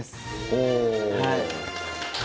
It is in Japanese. おお。